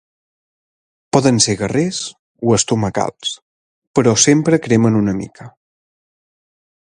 Poden ser guerrers o estomacals, però sempre cremen una mica.